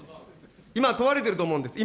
今、問われていると思うんです。